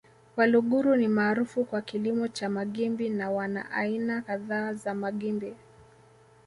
Waluguru ni maarufu kwa kilimo cha magimbi na wana aina kadhaa za magimbi